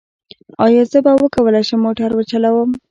ایا زه به وکولی شم موټر وچلوم؟